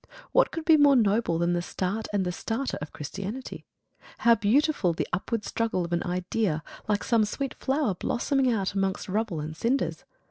What could be more noble than the start and the starter of Christianity? How beautiful the upward struggle of an idea, like some sweet flower blossoming out amongst rubble and cinders!